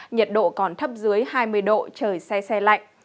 nhiệt độ còn thấp dưới hai mươi độ trời xe xe lạnh